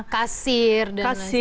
kasir dan lain sebagainya